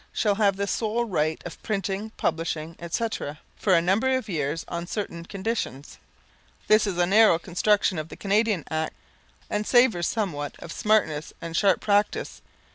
shall have the sole right of printing, publishing, etc., for a number of years on certain conditions. This is a narrow construction of the Canadian Act, and savours somewhat of smartness and sharp practice.